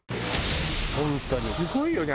すごいよね。